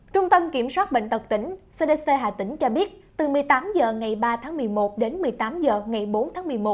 trung tâm kiểm soát bệnh tật tỉnh cdc hà tĩnh cho biết từ một mươi tám h ngày ba tháng một mươi một đến một mươi tám h ngày bốn tháng một mươi một